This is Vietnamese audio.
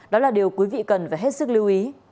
đó là điều quý vị cần phải hết sức lưu ý